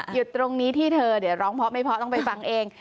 จุดตรงนี้ที่เธอเดี๋ยวร้องเพราะไม่เพราะต้องไปฟังเอง